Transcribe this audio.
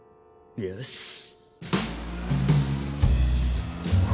よし！